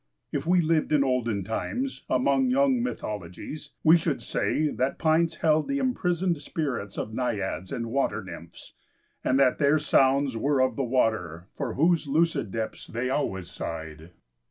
If we lived in olden times, among young mythologies, we should say that pines held the imprisoned spirit of naiads and water nymphs, and that their sounds were of the water for whose lucid depths they always sighed.